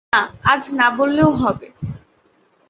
না, আজ না-বললেও হবে।